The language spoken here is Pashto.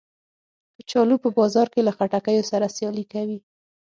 کچالو په بازار کې له خټکیو سره سیالي کوي